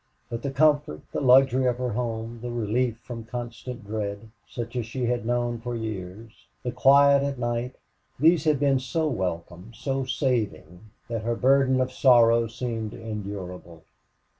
But the comfort, the luxury of her home, the relief from constant dread, such as she had known for years, the quiet at night these had been so welcome, so saving, that her burden of sorrow seemed endurable.